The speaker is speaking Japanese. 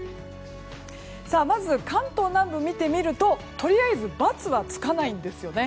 まず関東南部を見てみるととりあえずバツはつかないんですよね。